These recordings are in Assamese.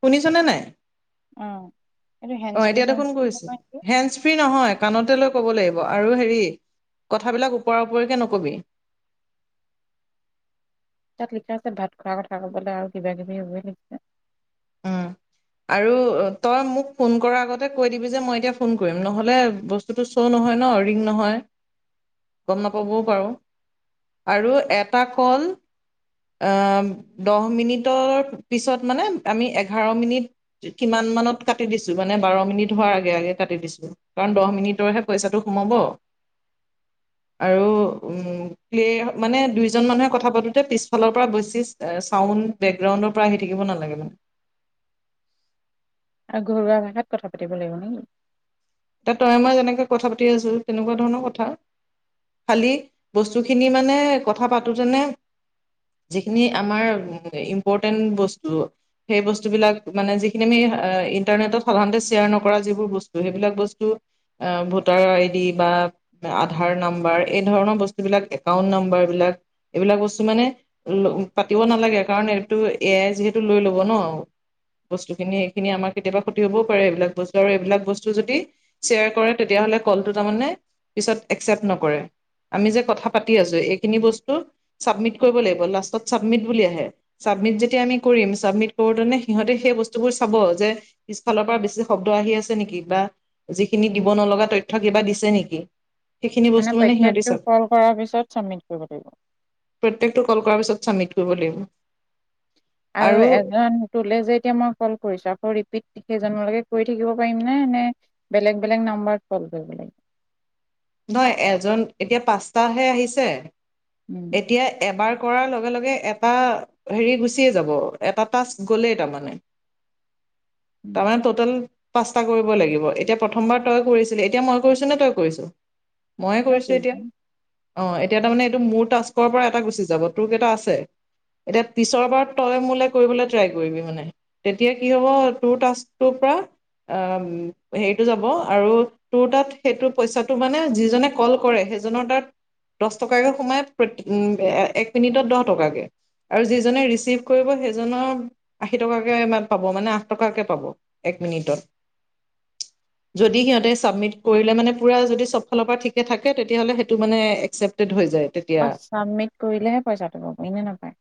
শুনিছ নে নাই? অ। এইটো অ হেণ্ড স্প্ৰে এতিয়া দেখোন গৈছে। নহয় নেকি? হেণ্ডছ ফ্ৰী নহয় কাণতে লৈ ক'ব লাগিব আৰু হেৰি, কথাবিলাক ওপৰ ওপৰিকে নকবি। [inaudible] তাত লিখা আছে ভাত খোৱাৰ কথা কবলৈ আৰু কিবা কিবি সেইবোৰে লিখা আছে। [inaudible] আৰু তই মোক ফোন কৰাৰ আগতে কৈ দিবি যে মই এতিয়া ফোন কৰিম নহ'লে, বস্তুতটো চ' নহয় ন। অ ৰিং নহয়। গম নাপাবও পাৰো। আৰু এটা কল অ দহ মিনিটৰ পিছত মানে আমি এঘাৰ মিনিট কিমান মানত কাটি দিছো। মানে বাৰ মিনিট হোৱাৰ আগে আগে কাটি দিছো কাৰণ, দহ মিনিটৰ হে পইচাটো সোমাব। আৰু উম্, মানে দুইজন মানুহে কথা পাতোতে পিছ ফালৰ পৰা বৈছি চাউণ্ড বেকগ্ৰাউণ্ডৰ পৰা আহি থাকিব নালাগে মানে। আৰু ঘৰুৱা ভাষাত কথা পাতিব লাগিব নেকি? এতিয়া তই মই যেনেকে কথা পাতি আছো তেনেকুৱা ধৰণৰ কথা। খালি বস্তু খিনি মানে কথা পাতোতেনে যিখিনি আমাৰ ইম্পৰ্টেন্ট বস্তু সেই বস্তু বিলাক মানে যিখিনি আমি ইন্টাৰনেটত সাধাৰণতে শ্বেয়াৰ নকৰা যিবোৰ বস্তু সেইবিলাক বস্তু ভোটাৰ আইডি বা আধাৰ নাম্বাৰ এই ধৰণৰ বস্তুবিলাক একাউণ্ট নাম্বাৰ বিলাক এইবিলাক বস্তু মানে পাতিব নালাগে কাৰণ, এইটো এয়াই যিহেতু লৈ ল'ব ন। বস্তুখিনি এইখিনি আমাৰ কেতিয়াবা ক্ষতি হ'বও পাৰে এইবিলাক বস্তু, আৰু এইবিলাক বস্তু যদি শ্বেয়াৰ কৰে তেতিয়াহলে কলটো তাৰে পিছত একচেপট নকৰে। আমি যে কথা পাতি আছো এইখিনি বস্তু চাবমিট কৰিব লাগিব, লাষ্টত চাবমি বুলি আহে। চাবমিট যেতিয়া কৰিম, চাবমিট কৰোতেনে সিহঁতি হেই বস্তুবোৰ চাব যে, পিছফালৰ পৰা বেছি শব্দ আহি আছে নেকি বা, যিখিনি দিব নলগা তথ্য কিবা দিছে নেকি। সেইখিনি বস্তু মানে সিহঁতি প্ৰত্যেকটো চাব। কল কৰাৰ পিছত চাবমিট কৰিব লাগিব। প্ৰত্যেকটো কল কৰাৰ পিছত ছাবমিট কৰিব লাগিব। আৰু এজন তোলে যেতিয়া মই কল কৰিছো আকৌ ৰিপিট একেজনলে কৰি থাকিব পাৰিম নে? নে বেলেগ বেলেগ নম্বৰত কল কৰিব লাগিব। নহয় এজন এতিয়া পাঁচটাহে আহিছে উম, এতিয়া এবাৰ কৰাৰ লগে লগে এটা হেৰি গুচিয়ে যাব এটা টাস্ক গ'লেই তাৰমানে। উম, তাৰমানে টোটেল পাঁচটা কৰিব লাগিব এতিয়া প্ৰথমবাৰ তই কৰিছিলি, এতিয়া মই কৰিছো নে তই কৰিছ? মইয়ে তই কৰিছো এতিয়া। কৰিবি। অ এতিয়া তাৰমানে এইটো মোৰ তাস্কৰ পৰা এটা গুচি যাব। তোৰ কেইটা আছে? এতিয়া পিছৰ বাৰ তই মোলে কৰিবলৈ ট্ৰাই কৰিবি মানে, তেতিয়া কি হব তোৰ টাস্কটোৰ পৰা আ হেৰিতো যাব, আৰু তোৰ তাত সেইটো পইচা তটো মানে যিজনে কল কৰে সেইজনৰ তাত দহ টকাকে সোমাই উ এক মিনিটত দহ টকাকে। আৰু যিজনে ৰিচিভ কৰিব সেইজনৰ আশী টকা মান ক পাব। মানে আঠ টকাকে পাব এক মিনিটত। যদি চব ফালৰ পৰা ঠিকে থাকে, তেতিয়াহ'লে সেইটো মানে একচেপ্টেড হৈ যায়। তেতিয়া অ চাবমিট কৰিলেহে পইচাটো পাব ইনে নাপায়।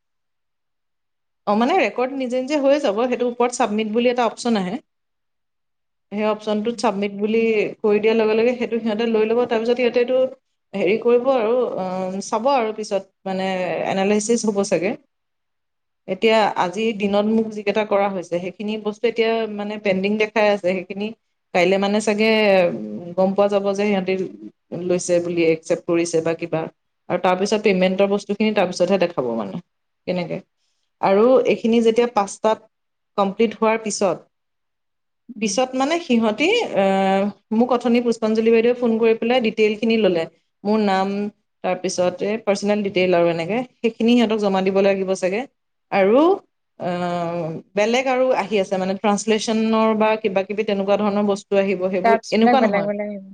মানে ৰেকৰ্ড নিজে নিজে হৈ যাব, সেইটো ওপৰত চাবমিট বুলি এটা অপচন আহে। সেই অপচনটোত চাবমিট বুলি কৰি দিয়াৰ লগে লগে সেইটো সিহঁতে লৈ ল'ব, তাৰপিছত সিহতে এইটো হেৰি কৰিব আৰু চাব আৰু পিছত মানে এনালাইচিছ হ'ব চাগে [inaudible] এতিয়া আজিৰ দিনত মোক যিকেইটা কৰা হৈছে। সেইখিনি বস্তু এতিয়া মানে পেণ্ডিং দেখাই আছে সেইখিনি কাইলে মানে চাগে গম পোৱা যাব যে সিহঁতি লৈছে বুলি একচেপ্ট কৰিছে বা কিবা আৰু তাৰ পিছত পেমেন্টৰ বস্তু খিনি তাৰ পিছতহে দেখাব মানে কেনেকে আৰু এইখিনি যেতিয়া পাঁচটাত কমপ্লিট হোৱাৰ পিছত উম, পিছত মানে সিহঁতি মোক অথনি পুষ্পাঞ্জলি বাইদেৱে ফোন কৰি পেলে ডিটেইলছ খিনি ল'লে, মোৰ নাম তাৰ পিছত পাৰ্চনেল ডিটেইল আৰু এনেকে সেইখিনি সিহঁতক জমা দিব লাগিব চাগে আৰু অ' বেলেগ আৰু আহি আছে মানে ট্ৰাঞ্চলেচনৰ বা কিবা কিবি তেনেকুৱা ধৰণৰ বস্তু। আহিব সেইবোৰ টাস্কবিলাক এনেকুৱা বেলেগ নহয়, বেলেগ আহিব।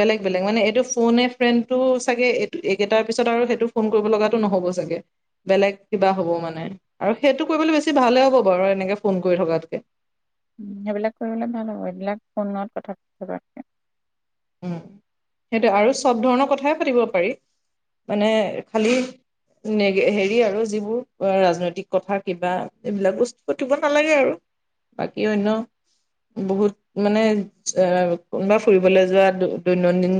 বেলেগ-বেলেগ মানে এইটো ফোনে ফ্ৰেণ্ডটো চাগে এই এইকেইটাৰ পিছত আৰু সেইটো ফোন কৰিব লগাটো নহ'ব চাগে, বেলেগ কিবা হ'ব মানে আৰু সেইটো কৰিবলৈ বেছি ভালে হ'ব বাৰু এনেকে ফোন কৰি থকাতকে উ সেইবিলাক কৰিবলে ভাল হ'ব এইবিলাক ফোনত কথা পাতিব। সেইটোয়ে আৰু চব ধৰণৰ কথাই পাতিব পাৰি মানে খালি হেৰি আৰু যিবোৰ ৰাজনৈতিক কথা কিবা এইবিলাক বস্তু পঠিয়াব নালাগে আৰু বাকী অন্য বহুত মানে আহ কোনোবা ফুৰিবলৈ যোৱা দৈনন্দিন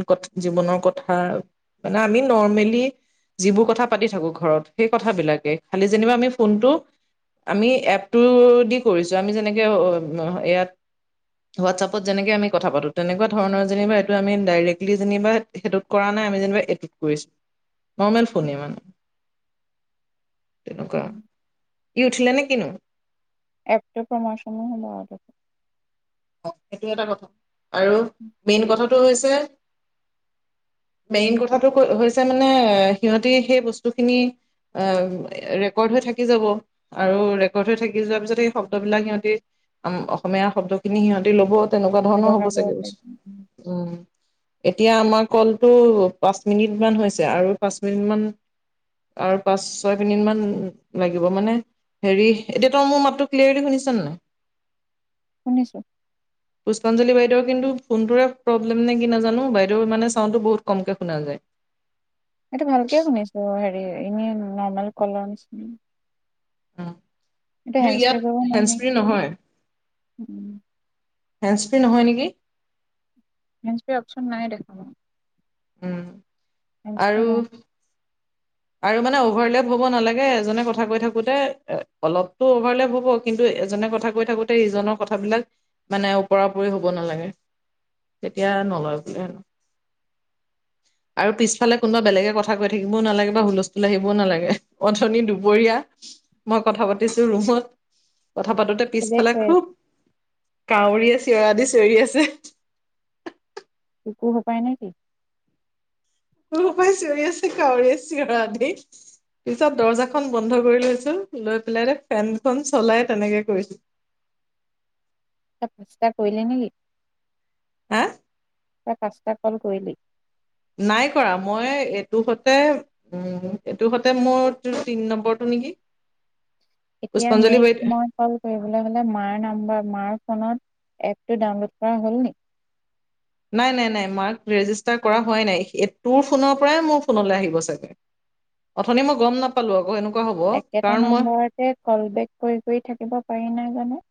জীৱনৰ কথা মানে, আমি নৰ্মেলি। যিবোৰ কথা পাতি থাকো ঘৰত সেই কথাবিলাকে, খালি যেনিবা আমি ফোনটো আমি এপটো দি কৰিছো, আমি যেনেকে ইয়াত হোৱাটছআপপত যেনেকে আমি কথা পাতো তেনেকুৱা ধৰণৰ যেনিবা আমি ডাইৰেক্টলি যেনিবা সেইটোত কৰা নাই, আমি যেনিবা এইটোত কৰিছো। নৰ্মেল ফোন এ আমাৰ। তেনেকুৱা উম। ই উঠিলে নে কিনো? এপটো প্ৰমোচন সমূহ হ'ব। অ' সেইটো এটা কথা আৰু মেইন কথাটো হৈছে। মেইন কথাটো ক হৈছে মানে সিহঁতে সেই বস্তুখিনি ৰেকৰ্ড হৈ থাকি যাব আৰু ৰেকৰ্ড হৈ থাকি যোৱা পিছত সেই শব্দবিলাক সিহঁতি অসমীয়া শব্দ সিখিনি সিহঁতি ল'ব তেনেকুৱা ধৰণৰ হ'ব ব্যৱহাৰ কৰিব চাগে পাৰিম। বস্তু উম এতিয়া আমাক কলটো পাঁচ মিনিট মান হৈছে আৰু পাঁচ মিনিট মান। আৰু পাঁচ, ছয় মিনিট মান লাগিব মানে হেৰি এতিয়া তই মোৰ মাতটো ক্লিয়াৰলি শুনিছানে নাই‌। শুনিছো। [inaudible] পুষ্পাঞ্জলি বাইদেউ কিন্ত ফোনটোৰে প্ৰব্লেম নে কি নাজানো, বাইদেউ মানে চাউণ্ডটো বহুত কমকে শুনা যায়। [inaudible] এইটো ভালকে শুনিছো, হেৰি এনেই নৰ্মেল কলৰ নিচি কিন্তু ইয়াত কৰিব নোৱাৰি হেণ্ডস্প্ৰী নেকি? নহয়। হেণ্ডস্প্ৰী নহয় নেকি? হেণ্ডস্প্ৰী অপচন নাই দেখো। উম আৰু আৰু মানে অভাৰলেপ হ'ব নালাগে, এজনে কথা কৈ থাকোতে এ অলপতো অভাৰলেপ হ'ব কিন্তু এজনে কথা কৈ থাকোতে ইজনৰ কথাবিলাক মানে উপৰা-উপৰি হ'ব নালাগে। এতিয়া নলয় বোলে হেনো। আৰু পিছফালে কোনোবা বেলেগে কথা কৈ থাকিবও নালাগে। টা হুলস্থুল আহিবও নালাগে, অথনি দুপৰীয়া মই কথা পাতিছো ৰুমত কথা পাতোতে চবেই পিছফালে কৈ আছে খুব কাউৰী আছে। চিঞৰাদি চিঞৰি আছে। [inaudible] পায় নাই কি? পাই চিঞৰি আছে কাউৰ আ চিঞৰা দি। পিছত দৰ্জাখন বন্ধ কৰি লৈছো, লৈ পেলাই ফেনখন চলাই তেনেকে কৰিছিলো। [inaudible] [unintelligible] কৰিলে নেকি? হা? তই পাছ তা কল কৰিলি? নাই কৰা মই এইটো হতে উ এইটো হতে মোৰ তিন নম্বৰটো। নেকি? এতিয়া পুষ্পাঞ্জলি বাৰীত নেক্সট্ মই কল কৰিবলৈ হলে মাৰ নাম্বাৰ মাৰ ফনত এপটো ডাউনলোড কৰা হ'ল নি? নাই, নাই, নাই মাৰ্ক ৰেজিষ্টাৰ কৰা হোৱাই নাই তোৰ ফোনৰ পৰাই মোৰ ফোনলে আহিব চাগে। অথনি মই গম নাপালো আকৌ এনেকুৱা। হ'ব একেটা কাৰণ মই নামবাৰতে কল বেক কৰি কৰি থাকিব পাৰি নাই জানো?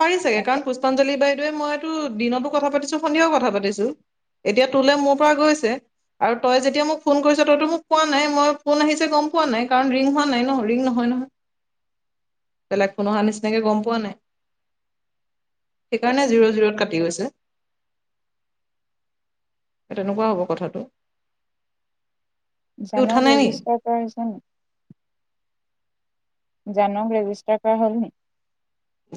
পাৰি চাগে একে কাৰণ পুষ্পাঞ্জলি বাইদেৱে মইতো দিনতো কথা পাতিছো সন্ধিয়াও কথা পাতিছো। এতিয়া তোলে মোৰ পৰা গৈছে। আৰু তই যেতিয়া মোক ফোন কৰিছ তইতো মোক পোৱা নাই, মই ফোন আহিছে গম পোৱা নাই, কাৰণ ৰিং হোৱা নাই ন ৰিং নহয়, নহয়। বেলেগ ফোন অহা নিচিনাকে গম পোৱা নাই। সেইকাৰণে জিৰ-জিৰত কাটি গৈছে। তেনেকুৱা হ'ব কথাটো। সি উঠা জানক নাই নি? ৰেজিষ্টাৰ কৰা হৈছে নে নাই? জানক ৰেজিষ্টাৰ কৰা হ'লনি?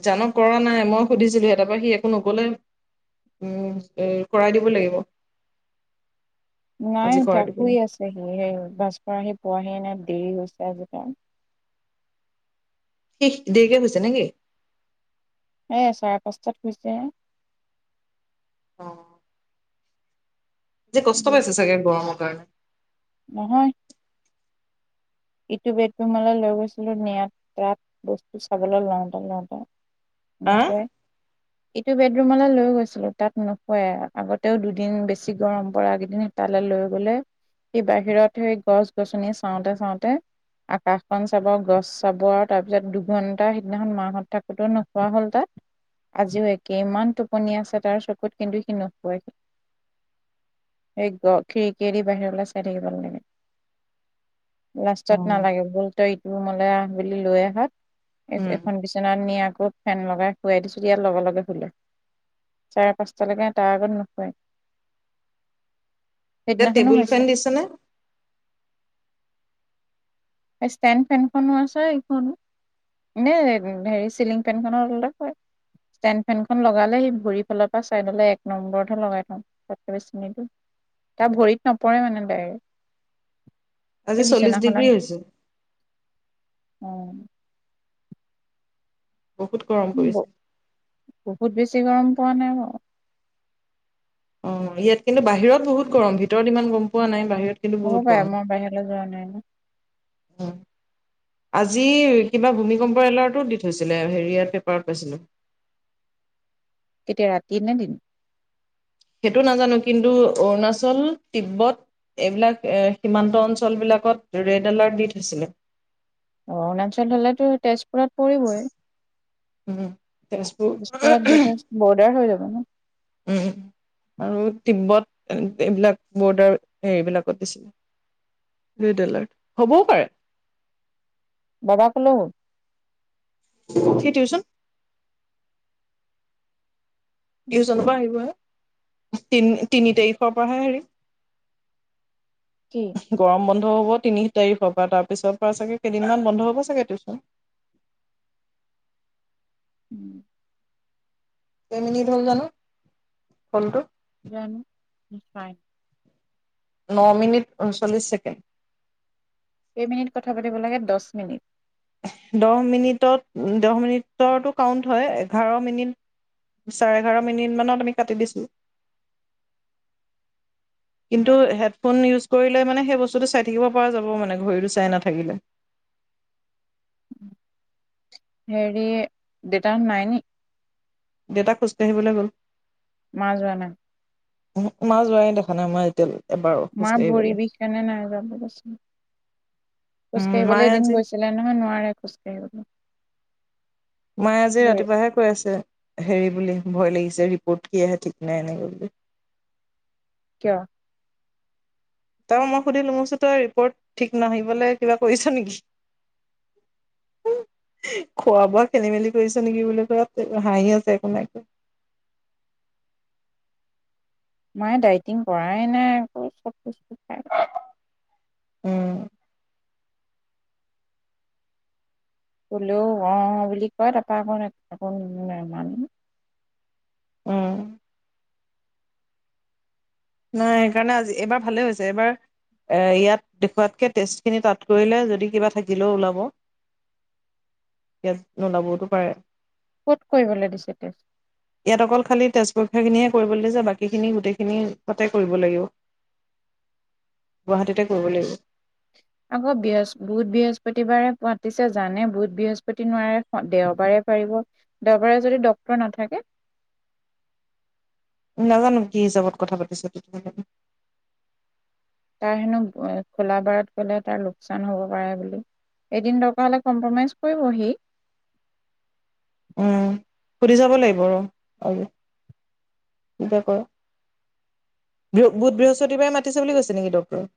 জানক কৰা নাই, মই সুধিছিলোহে তাৰাপৰা সি একো নকলে। উম কৰাই দিব লাগিব। নাই আজি উঠ কৰাই দিব শুই লাগিব আছে সি সেই ভছ কৰা সি পোৱাহি নাই। দেৰি হৈছে আজি তাৰ। সি দেৰিকে হৈছে নেকি? এ, চাৰে পাঁচটাত গৈছেহে। যে, কষ্ট দেৰি পাইছে চাগে গৰমৰ কাৰণে। নহয়। ইটো বেডৰুমলৈ লৈ গৈছিলো নিয়াত তাত বস্তু চাবলৈ লওঁতে, লওঁতে হা নকয়। এইটো বেডৰুম লৈ গৈছিলো। তাত নোশুৱাই আগতেও দুদিন বেছি গৰম পৰাকেইদিন তালৈ লৈ গলে সি বাহিৰত সেই গছ-গছনি চাওঁতে চাওঁতে আকাশখন চাব গছ চাব আও তাৰপিছত দুঘন্টা সিদিনাখন মাহত থাকোতে নোখোৱা হ'ল তাত। আজিও একে ইমান টোপনি আছে তাৰ চকুত কিন্তু সি নোপোৱহি। সজ খিৰিকীয়েদি বাহিৰলৈ চাই থাকিব নালাগে। লাষ্টত উম। নালাগে ব'ল তই ইটো ৰূমলৈ আহ বুলি লৈ আহক। এখন বিচনাত নি আকৌ ফেন লগাই শুৱাই দিছোঁ, ইয়াৰ লগে লগে শুলে। [unintelligible] চাৰে পাঁচটালৈকে তাৰ আগত নুশুয়ে। এতিয়া টেবুল ফেন হৈছে দিছেনে? ষ্টেন ফেনখনো আছে এইখন। নে, হেৰি চিলিং ফেন-খনৰ [unintelligible] ষ্টেণ্ড ফেনখন লগালে সি ভৰিৰ ফালৰ পৰা চাইডলে এক নম্বৰতহে লগাই থওঁ ততকে চিনি [unintelligible] তা ভৰিত নপৰে মানে ডাইৰেক্ট। আজি চল্লিশ, ডিগ্ৰী হৈছে। উম। বহুত গৰম অ কৰিছে। বহুত বেছি গৰম পোৱা নাই বাৰু। অ ইয়াত কিন্তু বাহিৰত বহুত গৰম ভিতৰত ইমান গম পোৱা নাই বাহিৰত [unintelligible] হ' বাই মই বাহিৰলৈ যোৱা নাই ন [unintelligible] [unintelligible] উম [unintelligible] আজি কিবা ভূমিকম্প এলাৰ্টোত দি থৈছিলে হেৰিয়াত পেপাৰত পাইছিলোঁ [unintelligible] [inaudible] কেতিয়া ৰাতিয়ে দিন [unintelligible] সেইটো নাজানো কিন্তু অৰুণাচল, তিব্বত [unintelligible] এইবিলাক সীমান্ত অঞ্চলবিলাকত ৰেড এলাৰ্ট দি থৈছিলে [unintelligible] অৰুণাচল হলেতো তেজপুৰত পৰিবই [unintelligible] উম তেজপুৰ তেজপুৰত যথেষ্ট বৰ্ডাৰ হৈ যাব ন [unintelligible] উম আৰু তিব্বত [unintelligible] এইবিলাক বৰ্ডাৰ হেৰিবিলাকত দিছিলে ৰেড এলাৰ্ট হ'বও পাৰে। [inaudible] বাবা কলৈ গ'ল [unintelligible] সি টিউচন [unintelligible] টিউচনৰ পৰা আহিব‌হে [unintelligible] তিন-তিনি তাৰিখৰ পৰাহে হেৰি কি [unintelligible] গৰম বন্ধ [unintelligible] বন্ধ হ'ব তিনিশ তাৰিখৰ পৰা তাৰপিছৰ পৰা চাগে কেইদিনমান বন্ধ হ'ব চাগে টিউচন [unintelligible] [inaudible] উম [unintelligible] কেইমিনিট হ'ল জানো হলটো [unintelligible] জন নিচাইল [unintelligible] ন মিনিট ঊনচল্লিছ ছেকেণ্ড [unintelligible] কেইমিনিট কথা পাতিব লাগে দহ মিনিট [unintelligible] দহ মিনিটত দহ মিনিটৰ কাউন্ট হয় এঘাৰ মিনিট [unintelligible] চাৰে এঘাৰ মিনিটমানত আমি কাটি দিছো [unintelligible] কিন্তু হেডফোন ইউজ কৰিলে মানে সেই বস্তুটো চাই থাকিব পৰা যাব মানে ঘড়ীটো চাই নাথাকিলে [unintelligible] [inaudible] হেৰি দেউতা নাই নি [unintelligible] দেউতা খোজকাঢ়িবলৈ গ'ল [unintelligible] মা যোৱা নাই [unintelligible] ওহো মা যোৱা দেখা নাই মই এতিয়ালৈ [unintelligible] মা ভৰি খোজকাঢ়িবলৈ বিষ কাৰণে নাযাৱা কৈছোঁ [unintelligible] খোজ উম মায়ে কাঢ়িবলৈ এদিন আজি গৈছিলে নহয় নোৱাৰে খোজ কাঢ়িবলৈ [unintelligible] মায়ে আজি ভৰি ৰাতিপুৱাহে কৈ আছে হেৰি বুলি [unintelligible] ভয় লাগিছে ৰিপৰ্ট কি আহে ঠিক নাই এনেকে বুলি কিয়? তই মোক সুধিলো মইচো তই ৰিপৰ্ট ঠিক নাহিবলে কিবা কৰিছ নিকি? উম খোৱা-বোৱা খেলিমেলি কৰিছে নিকি বুলি কৈ হাঁহি আছে একো নাই [inaudible] মায়ে ডাইটিং কৰাই নাই আকৌ খাই উম কলেও ওআ বুলি কয় তাৰপা অকণ নামানো উম নাই সেইকাৰণে আজি এইবাৰ ভালে হৈছে এইবাৰ এ ইয়াত দেখুৱাতকে টেষ্টখিনি তাত কৰিলে যদি কিবা থাকিলেও ওলাব টেষ্ট নোলাবওতো পাৰে ক'ত কৰিবলে দিছে টেষ্ট ইয়াত অকল খালি তেজ পৰীক্ষাখিনিহে কৰিবলে যে বাকীখিনি গোটেইখিনি তাতে কৰিব লাগিব গুৱাহাটীতে কৰিব লাগিব। আকৌ বৃহস্প বুধ বৃহস্পতিবাৰে মাতিছে জানে বুধ বৃহস্পতি নোৱাৰে দেওবাৰে পাৰিব দেওবাৰে যদি ডক্তৰ নাথাকে [inaudible] নাজানো কি হিচাপত কথা পাতিছে তেতিয়াহলে খনো খোলা বাৰত গ'লে তাৰ লোকচান হব পাৰে বুলি এদিন দৰকাৰ হ'লে কম্প্ৰমাইজ কৰিব হি উম সুধি যাব লাগিব ৰ আৰু চিন্তা কৰ বু বুধ বৃহস্পতিবাৰে মাতিছে বুলি কৈছে নিকি ডক্টৰ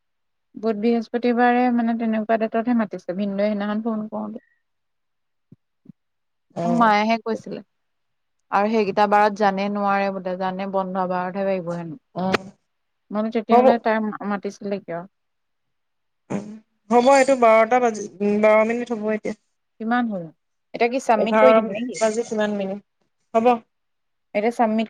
বুধ বৃহস্পতিবাৰে মানে তেনেকুৱা ডেটতহে মাতিছে ভিনদৌৱে সেইদিনাখন ফোন কৰোতে [inaudible] অ মায়াহে কৈছিলে আৰু সেইকেইটা বাৰত জানে নোৱাৰে বোলে জানে বন্ধ বাৰতহে ভ অ মল হ'ব তেতিয়াহ'লে তাই মাতিছিলে কিয়? হ'ব এইটো বাৰটা বাজি বাৰ মিনিট হ'ব কিমান হ'ল এতিয়া কি চাবমিট কৰি এঘাৰ দিম নেকি বাজি কিমান মিনিট হব এতিয়া চাবমিট